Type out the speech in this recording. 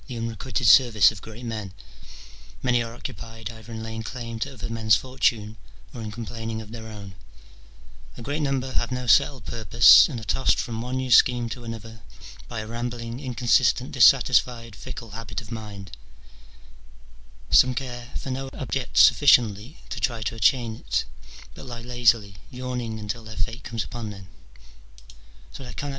unre quited service of great men : many are occupied either in laying claim to other men's fortune or in complaining of their own : a great number have no settled purpose, and are tossed from one new scheme to another by a rambling, inconsistent, dissatisfied, fickle habit of mind : some care for no object sufficiently to try to attain it, but lie lazily yawning until their fate comes upon them : so that I cannot ^" L'ufi se consume en projets d'ambition, dont le succes depend du suffrage de I'autrui."